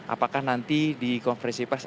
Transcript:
apakah nanti di konferensi pers